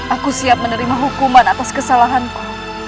aku siap menerima hukuman atas kesalahanku